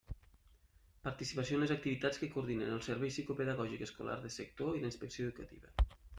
Participació en les activitats que coordinen el servici psicopedagògic escolar de sector i la Inspecció Educativa.